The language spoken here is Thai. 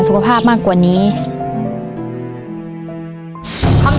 เมื่อแม่นางได้ออเดอร์เยอะ